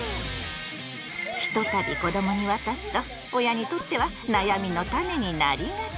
ひとたび子どもに渡すと親にとっては悩みのタネになりがち！